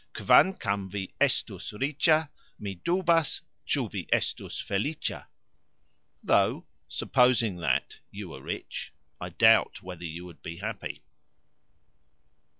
"Kvankam vi estus ricxa, mi dubas, cxu, vi estus felicxa", Though (supposing that) you were rich, I doubt whether you would be happy.